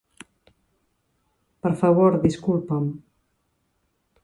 Per favor, disculpa'm.